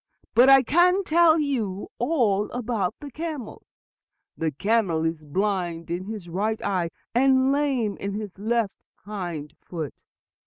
"But I can tell you all about the camel. The camel is blind in his right eye, and lame in his left hind foot.